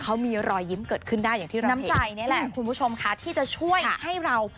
เขามีรอยยิ้มเกิดขึ้นได้อย่างที่น้ำใจนี่แหละคุณผู้ชมค่ะที่จะช่วยให้เรา